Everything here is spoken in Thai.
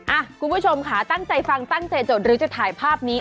คุณผู้ชมค่ะตั้งใจฟังตั้งใจจดหรือจะถ่ายภาพนี้